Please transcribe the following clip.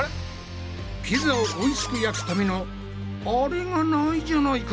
ピザをおいしく焼くための「アレ」がないじゃないか！